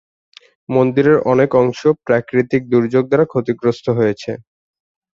মন্দিরের অনেক অংশ প্রাকৃতিক দুর্যোগ দ্বারা ক্ষতিগ্রস্ত হয়েছে।